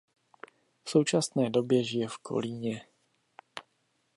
V současné době žije v Kolíně.